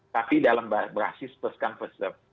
tapi dalam berhasil peskan pesep